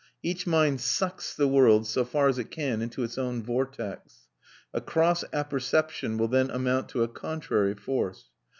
Each mind sucks the world, so far as it can, into its own vortex. A cross apperception will then amount to a contrary force.